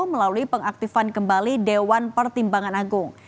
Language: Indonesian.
melalui pengaktifan kembali dewan pertimbangan agung